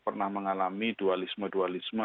pernah mengalami dualisme dualisme